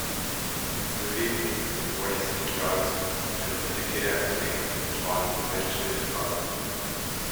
Doody was born in Saint John's and was educated at Saint Bonaventure's College.